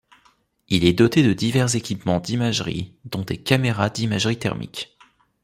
Il est doté de divers équipements d’imagerie, dont des caméras d’imagerie thermique.